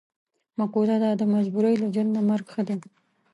معقوله ده: د مجبورۍ له ژوند نه مرګ ښه دی.